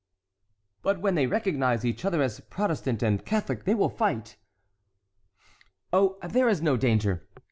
"But when they recognize each other as Protestant and Catholic they will fight." "Oh, there is no danger.